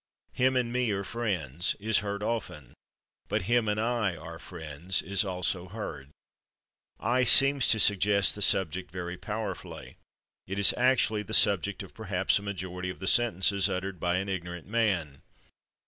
"/Him/ and /me/ are friends" is heard often, but "/him/ and /I/ are friends" is also heard. /I/ seems to suggest the subject very powerfully; it is actually the subject of perhaps a majority of the sentences uttered by an ignorant man.